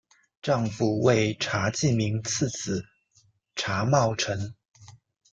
丈夫为查济民次子查懋成。